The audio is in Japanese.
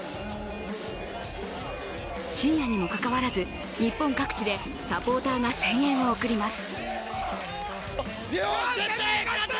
深夜にもかかわらず日本各地でサポーターが声援を送ります。